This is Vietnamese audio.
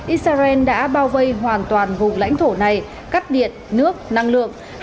israel đã bao vây hoàn toàn vùng lãnh thổ này cắt điện nước năng lượng